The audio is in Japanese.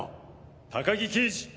高木刑事。